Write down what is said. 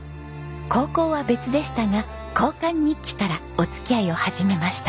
高校は別でしたが交換日記からお付き合いを始めました。